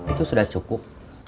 itu sudah cukup